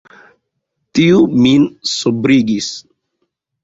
Tio min sobrigis.